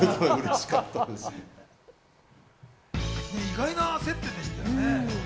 意外な接点でしたね。